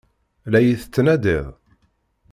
La iyi-tettnadiḍ?